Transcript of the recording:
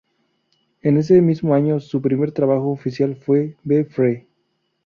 En ese mismo año, su primer trabajo oficial fue "Be Free".